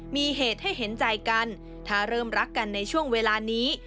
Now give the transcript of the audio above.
มีเหตุให้เห็นใจกันถ้าเริ่มรักกันในช่วงเวลานี้